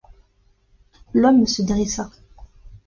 L’homme se dressa.